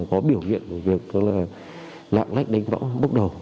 có biểu hiện của việc lạng lách đánh võ bốc đầu